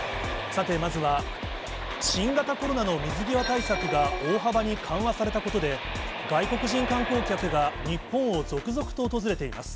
さて、まずは新型コロナの水際対策が大幅に緩和されたことで、外国人観光客が日本を続々と訪れています。